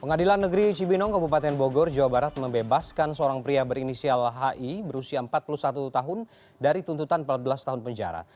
pengadilan negeri cibinong kabupaten bogor jawa barat membebaskan seorang pria berinisial hi berusia empat puluh satu tahun dari tuntutan empat belas tahun penjara